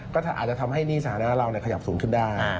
ก็อาจจะทำให้หนี้สาธารณะเราขยับสูงขึ้นได้